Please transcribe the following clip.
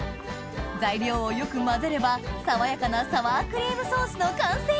材料をよく混ぜれば爽やかなサワークリームソースの完成！